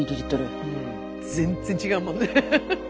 全然違うもんね。